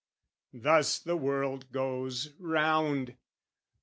thus the world goes round.